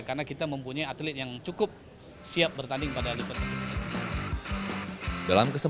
karena kita mempunyai atlet yang cukup siap bertanding pada diperkasi